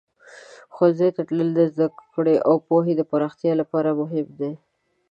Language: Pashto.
ښوونځي ته تلل د زده کړې او پوهې پراختیا لپاره مهم دی.